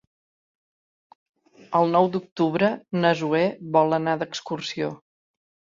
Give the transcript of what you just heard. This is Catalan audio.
El nou d'octubre na Zoè vol anar d'excursió.